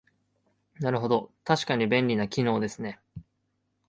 なるほど、確かに便利な機能ですね